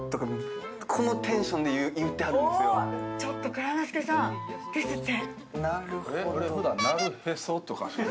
蔵之介さん、ですって。